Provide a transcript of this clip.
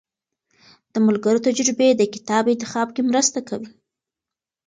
د ملګرو تجربې د کتاب انتخاب کې مرسته کوي.